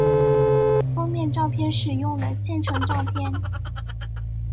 封面照片使用了现成照片。